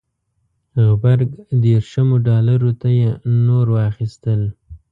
غبرګ دېرشمو ډالرو ته یې نور واخیستل.